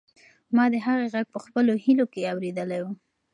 ما د هغې غږ په خپلو هیلو کې اورېدلی و.